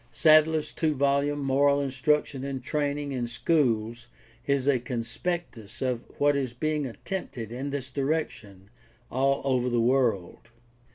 Sadler's two volume Moral Instruction and Training in Schools is a con spectus of what is being attempted in this direction all over the world.